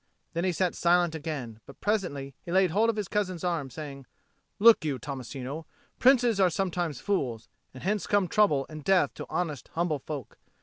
Then he sat silent again; but presently he laid hold of his cousin's arm, saying, "Look you, Tommasino, princes are sometimes fools; and hence come trouble and death to honest humble folk.